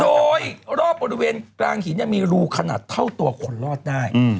โดยรอบบริเวณกลางหินมีรูขนาดเท่าตัวคนรอดได้